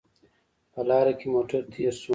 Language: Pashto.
په لاره کې موټر تېر شو